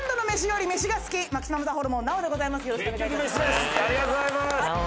ありがとうございます。